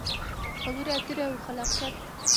خبرې اترې او خلاقیت: